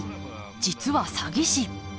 実は詐欺師。